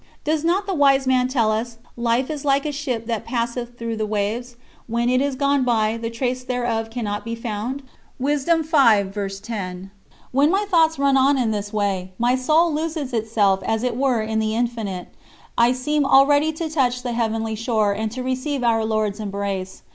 Does not the Wise Man tell us "Life is like a ship that passeth through the waves: when it is gone by, the trace thereof cannot be found"? When my thoughts run on in this way, my soul loses itself as it were in the infinite; I seem already to touch the Heavenly Shore and to receive Our Lord's embrace.